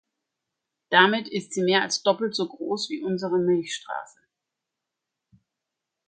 Damit ist sie mehr als doppelt so groß wie unsere Milchstraße.